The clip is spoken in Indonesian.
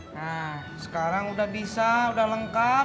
nah sekarang sudah bisa sudah lengkap